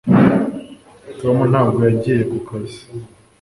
Tom ntabwo yagiye kukazi